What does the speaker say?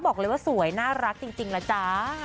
บอกเลยว่าสวยน่ารักจริงล่ะจ๊ะ